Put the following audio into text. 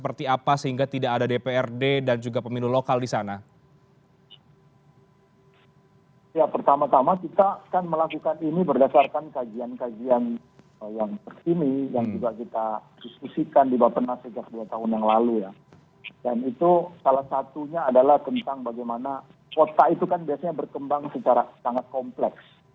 dan itu salahnya adalah tentang bagaimana kota itu kan biasanya berkembang secara sangat kompleks